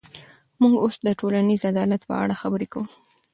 موږ اوس د ټولنیز عدالت په اړه خبرې کوو.